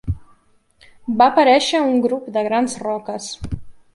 Va aparèixer un grup de grans roques.